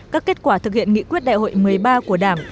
các kết quả thực hiện nghị quyết đại hội một mươi ba của đảng